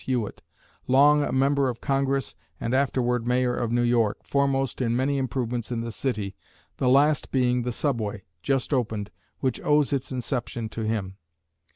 Hewitt, long a member of Congress and afterward mayor of New York, foremost in many improvements in the city, the last being the Subway, just opened, which owes its inception to him.